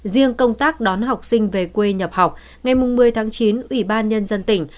riêng công tác đón học sinh về quê nhập học ngày một mươi tháng chín ủy ban nhân dân tỉnh